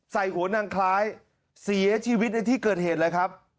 ใส่หัวนางคล้ายเสียชีวิตในที่เกิดเหตุเลยครับ